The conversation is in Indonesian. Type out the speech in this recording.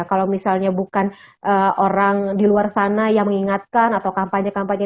kalau misalnya bukan orang di luar sana yang mengingatkan atau kampanye kampanye